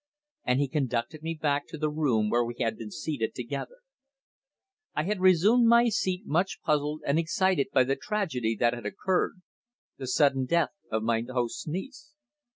And he conducted me back to the room where we had been seated together. I had resumed my seat much puzzled and excited by the tragedy that had occurred the sudden death of my host's niece.